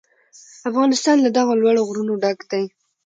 افغانستان له دغو لوړو غرونو ډک دی.